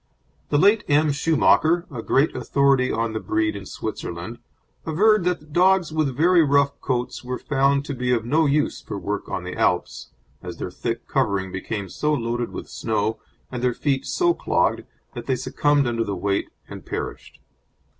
The late M. Schumacher, a great authority on the breed in Switzerland, averred that dogs with very rough coats were found to be of no use for work on the Alps, as their thick covering became so loaded with snow and their feet so clogged that they succumbed under the weight and perished.